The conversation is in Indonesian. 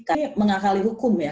ini mengakali hukum ya